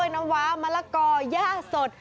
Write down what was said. น้ำว้ามะละกอย่าสด